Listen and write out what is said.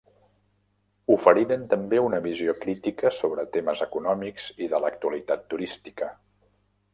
Oferiren també una visió crítica sobre temes econòmics i de l'actualitat turística.